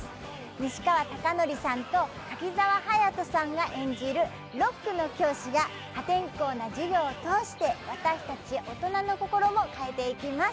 西川貴教さんと柿澤勇人さんが演じるロックの教師や破天荒な授業を通して私達大人の心も変えていきます